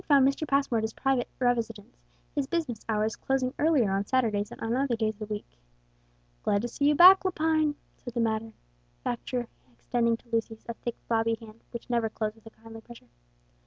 Lepine found Mr. Passmore at his private residence, his business hours closing earlier on Saturdays than on other days of the week. "Glad to see you back, Lepine," said the manufacturer, extending to Lucius a thick flabby hand, which never closed with a kindly pressure.